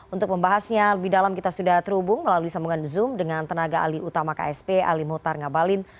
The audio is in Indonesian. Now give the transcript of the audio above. untuk membahasnya lebih dalam kita sudah terhubung melalui sambungan zoom dengan tenaga ali utama ksp ali muhtar ngabalin